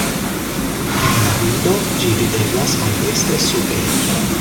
En la bildo ĝi videblas maldekstre sube.